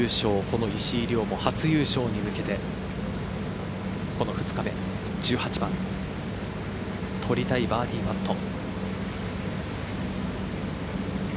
この石井理緒も初優勝に向けてこの２日目、１８番取りたいバーディーパット。